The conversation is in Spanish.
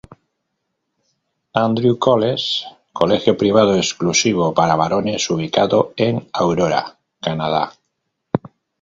Andrew's College, colegio privado exclusivo para varones ubicado en Aurora, Canadá.